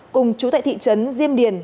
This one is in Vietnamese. cùng chú tại thị trấn diêm điền